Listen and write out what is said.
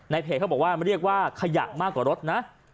เพจเขาบอกว่าเรียกว่าขยะมากกว่ารถนะ